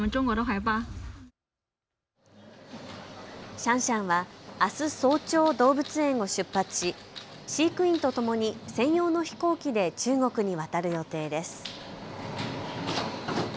シャンシャンはあす早朝、動物園を出発し飼育員とともに専用の飛行機で中国に渡る予定です。